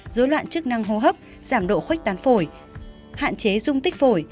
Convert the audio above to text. dối loạn chức năng hô hấp giảm độ khuếch tán phổi hạn chế dung tích phổi